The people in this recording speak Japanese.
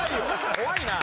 怖いな！